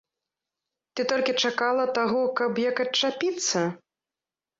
Ты толькі чакала таго, каб як адчапіцца?